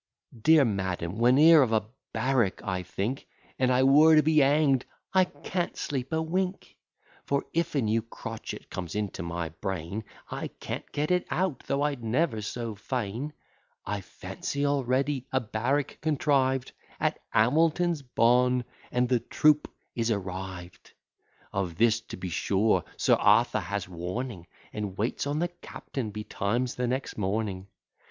Dear madam, whene'er of a barrack I think, An I were to be hang'd, I can't sleep a wink: For if a new crotchet comes into my brain, I can't get it out, though I'd never so fain. I fancy already a barrack contrived At Hamilton's bawn, and the troop is arrived; Of this to be sure, Sir Arthur has warning, And waits on the captain betimes the next morning.